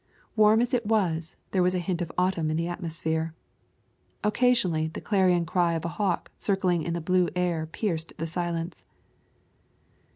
Warm as it was, there was a hint of autumn in the atmosphere. Occasionally the clarion cry of a hawk circling in the blue air pierced the silence.